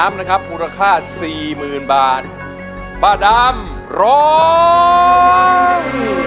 เพลงที่๓นะครับมูลค่า๔๐๐๐๐บาทพระดำร้อง